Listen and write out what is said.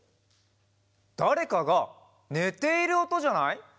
だれかがねているおとじゃない？